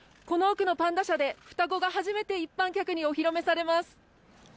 この奥のパンダ舎で双子が初めて一般客にお披露目されます。